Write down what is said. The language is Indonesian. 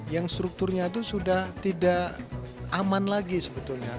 yang strukturnya itu sudah tidak aman lagi sebetulnya